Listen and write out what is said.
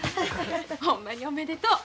ほんまにおめでとう。